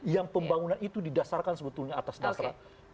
yang pembangunan itu didasarkan sebetulnya atas dasar